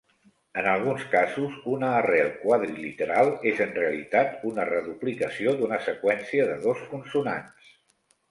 En alguns casos, una arrel quadriliteral és en realitat una reduplicació d'una seqüència de dos consonants.